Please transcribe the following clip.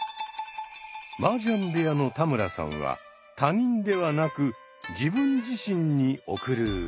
マージャン部屋の田村さんは他人ではなく自分自身に贈る歌。